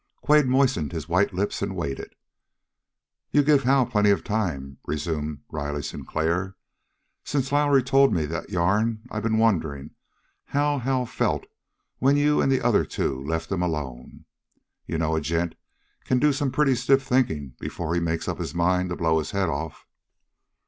Quade moistened his white lips and waited. "You give Hal plenty of time," resumed Riley Sinclair. "Since Lowrie told me that yarn I been wondering how Hal felt when you and the other two left him alone. You know, a gent can do some pretty stiff thinking before he makes up his mind to blow his head off."